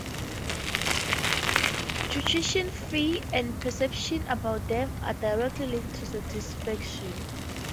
Tuition fees and perceptions about them are directly linked to satisfaction.